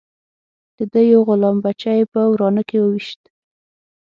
د ده یو غلام بچه یې په ورانه کې وويشت.